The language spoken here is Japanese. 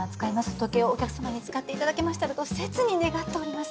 時計をお客様に使って頂けましたらと切に願っております。